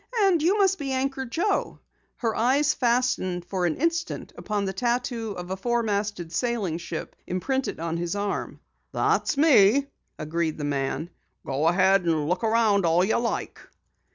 "And you must be Anchor Joe." Her eyes fastened for an instant upon the tattoo of a four masted sailing ship imprinted on his arm. "That's me," agreed the man. "Go ahead an' look around all you like."